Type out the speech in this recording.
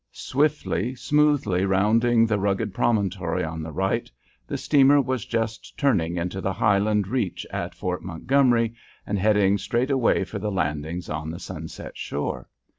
Swiftly, smoothly rounding the rugged promontory on the right, the steamer was just turning into the highland "reach" at Fort Montgomery and heading straight away for the landings on the sunset shore.